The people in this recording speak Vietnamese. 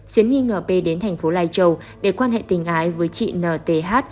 xuyến nghi ngờ p đến thành phố lai châu để quan hệ tình ái với chị nth